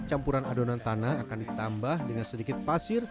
campuran adonan tanah akan ditambah dengan sedikit pasir